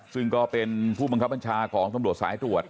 ซึ่งก็เป็นผู้บังคับบัญชาของตำรวจสายตรวจ